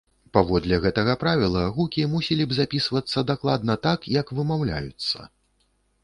Паводле гэтага правіла гукі мусілі б запісвацца дакладна так, як вымаўляюцца.